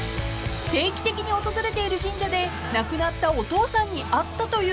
［定期的に訪れている神社で亡くなったお父さんに会ったという福田さん］